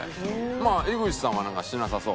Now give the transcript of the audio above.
まあ井口さんはなんかしなさそう。